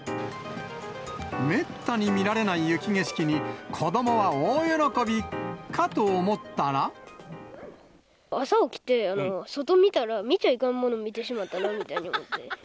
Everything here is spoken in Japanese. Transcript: めったに見られない雪景色に、朝起きて、外見たら、見ちゃいかんもの見てしまったなみたいに思って。